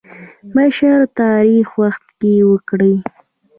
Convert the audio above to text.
بشر تاریخ وخت کې وکړ.